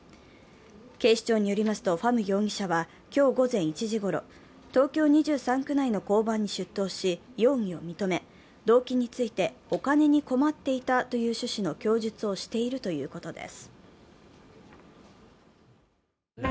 警視庁によりますと、ファム容疑者は、今日午前１時ごろ、東京２３区内の交番に出頭し容疑を認め動機について、お金に困っていたという趣旨の供述をしているということです。